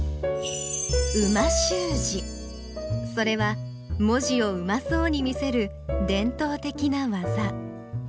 それは文字をうまそうに見せる伝統的な技。